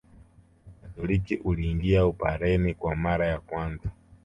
Ukatoliki uliingia Upareni kwa mara ya kwanza